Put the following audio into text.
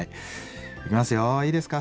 いきますよいいですか？